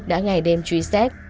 đã ngày đêm truy xét